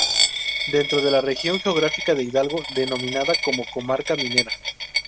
Dentro de la región geográfica de Hidalgo, denominada como Comarca Minera.